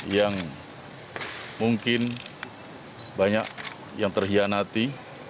yang mungkin banyak yang terhianati